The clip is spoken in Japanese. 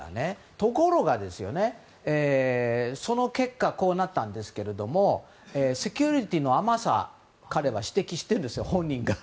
ところが、その結果こうなったんですけれどもセキュリティーの甘さ指摘しているんですが本人が。